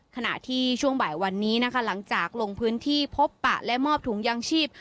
ขณะที่ช่วงบ่ายวันนี้หลังจากลงพื้นที่พบประมาณทุกข๐๘